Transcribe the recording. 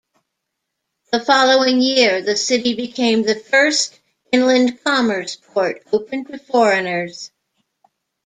The following year, the city became the first inland commerce port open to foreigners.